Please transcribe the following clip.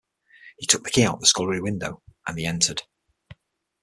He took the key out of the scullery window, and they entered.